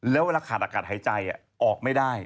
แล้วเวลาขาดอากาศหายใจออกไม่ได้